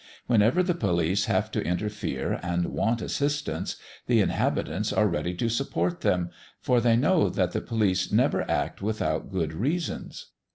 Whenever the police have to interfere and want assistance, the inhabitants are ready to support them, for they know that the police never act without good reasons.